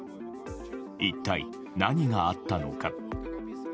一体、何があったのか。